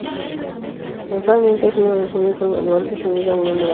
Actualmente es uno de los únicos baluartes unido a una muralla.